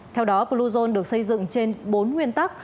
theo đó bluezone được xây dựng trên bốn nguyên tắc